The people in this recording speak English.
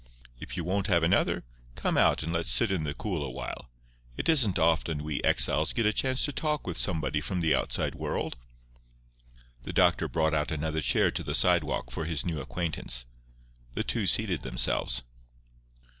If you won't have another, come out and let's sit in the cool a while. It isn't often we exiles get a chance to talk with somebody from the outside world." The doctor brought out another chair to the sidewalk for his new acquaintance. The two seated themselves.